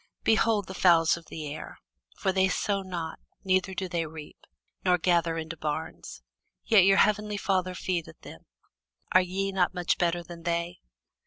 Behold the fowls of the air: for they sow not, neither do they reap, nor gather into barns; yet your heavenly Father feedeth them. Are ye not much better than they?